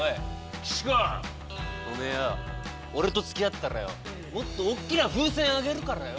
岸子おめぇよ俺と付き合ったらよもっと大っきな風船あげるからよ。